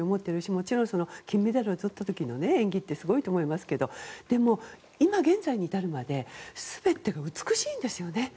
もちろん金メダルをとった時の演技もすごいですがでも、今現在に至るまで全てが美しいんですよね。